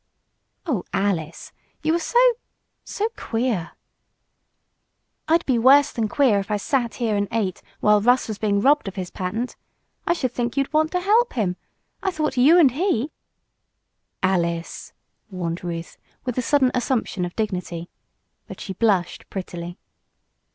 "Oh, Alice! You are so so queer." "I'd be worse than queer if I sat here and ate while Russ was being robbed of his patent. I should think you'd want to help him. I thought you and he " "Alice!" warned Ruth, with a sudden assumption of dignity. But she blushed prettily.